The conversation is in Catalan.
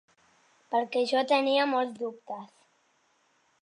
Perquè jo tenia molts dubtes.